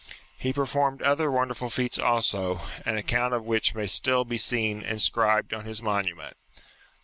He performed other wonderful feats also, an account of which may still be seen inscribed on his monument.